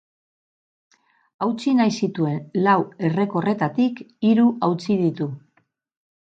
Hautsi nahi zituen lau errekorretatik hiru hautsi ditu.